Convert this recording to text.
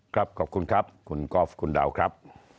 ขอบคุณครับคุณกอล์ฟคุณดาวครับ